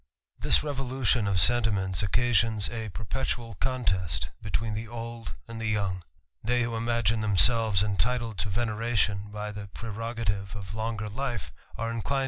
This revolut):>n of sentimen ts occasions, a perpetual. THE RAMBLER. 193 I *Xinlest bet ween the_old and young. They who imagine themselves entitled to veneration by the prerogative of longer l[fe, are mcIinfiH.